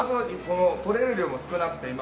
とれる量も少なくて今。